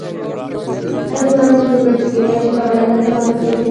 هغې وړاندیز وکړ چې کیدای شي دا بلنه سبا ته پریږدو